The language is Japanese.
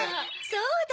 そうだ！